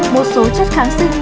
một số chất kháng sinh